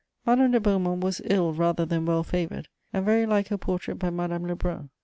Madame de Beaumont was ill rather than well favoured, and very like her portrait by Madame Lebrun.